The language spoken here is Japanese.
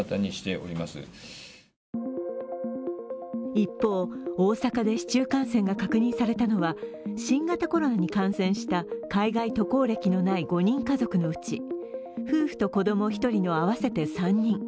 一方、大阪で市中感染が確認されたのは新型コロナに感染した海外渡航歴のない５人家族のうち夫婦と子供１人の合わせて３人。